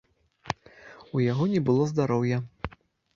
У яго не было здароўя.